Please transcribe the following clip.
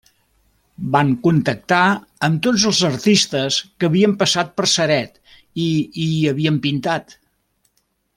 Van contactar amb tots els artistes que havien passat per Ceret i hi havien pintat.